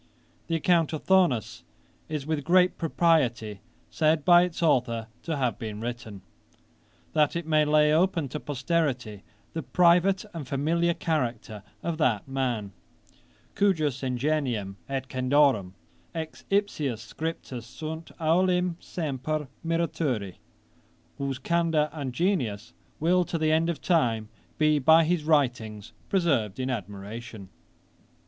The account of Thuanus is with great propriety said by its authour to have been written, that it might lay open to posterity the private and familiar character of that man, cujus ingenium et candorem ex ipsius scriptis sunt olim semper miraturi, whose candour and genius will to the end of time be by his writings preserved in admiration.